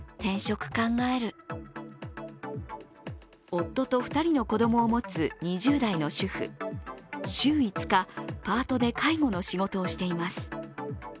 夫と２人の子供を持つ２０代の主婦週５日、パートで介護の仕事をしています。